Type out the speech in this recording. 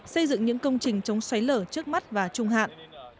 xây dựng những công trình chống xoáy lở trước mắt và trung hạn